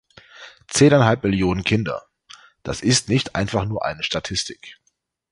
Zehneinhalb Millionen Kinder, das ist nicht einfach nur eine Statistik.